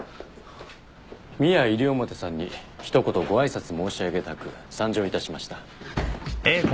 ミア西表さんに一言ご挨拶申し上げたく参上いたしました。